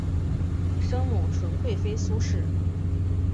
生母纯贵妃苏氏。